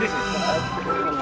udah pak d